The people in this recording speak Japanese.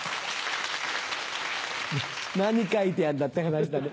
何書いてあるんだって話だね。